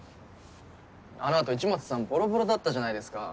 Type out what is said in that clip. あのあと市松さんボロボロだったじゃないですか。